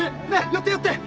寄って寄って。